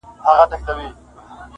ښکاري ګوري موږکان ټوله تاوېږي,